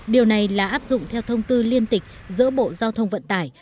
điều này là áp dụng theo thông tư liên tịch giữa bộ giao thông vận tải